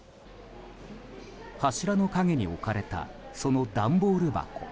柱の陰に置かれたその段ボール箱。